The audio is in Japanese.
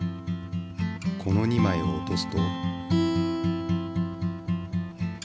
この２まいを落とすと。